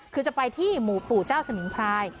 คือจะไปที่หมู่ปู่เจ้าสมิงพราย